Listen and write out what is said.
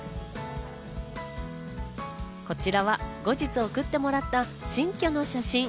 こちらは後日送ってもらった新居の写真。